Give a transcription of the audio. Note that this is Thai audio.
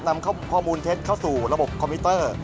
นำข้อมูลเท็จเข้าสู่ระบบคอมพิวเตอร์